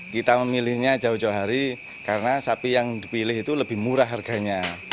kita memilihnya jauh jauh hari karena sapi yang dipilih itu lebih murah harganya